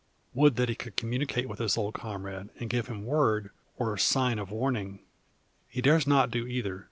Would that he could communicate with his old comrade, and give him word, or sign of warning. He dares not do either.